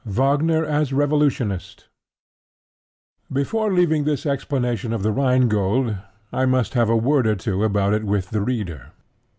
WAGNER AS REVOLUTIONIST Before leaving this explanation of The Rhine Gold, I must have a word or two about it with the reader.